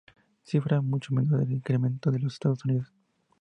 Cifra mucho menor al incremento en los Estados Unidos.